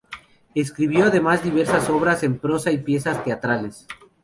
Escribió, además, diversas obras en prosa y piezas teatrales.